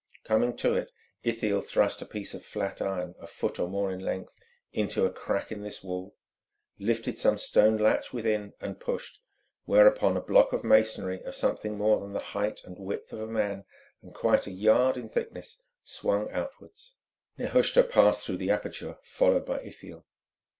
Coming to it, Ithiel thrust a piece of flat iron, a foot or more in length, into a crack in this wall, lifted some stone latch within, and pushed, whereon a block of masonry of something more than the height and width of a man, and quite a yard in thickness, swung outwards. Nehushta passed through the aperture, followed by Ithiel.